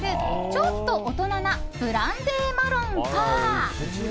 ちょっと大人なブランデーマロンか。